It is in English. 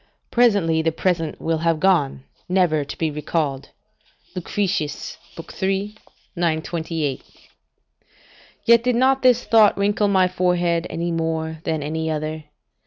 ["Presently the present will have gone, never to be recalled." Lucretius, iii. 928.] Yet did not this thought wrinkle my forehead any more than any other.